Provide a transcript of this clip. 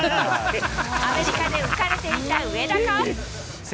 アメリカで浮かれていた上田か？